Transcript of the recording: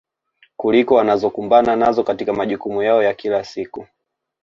kuliko wanazokumbana nazo katika majukumu yao ya kila siku